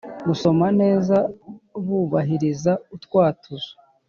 gusoma neza bubahiriza utwatuzo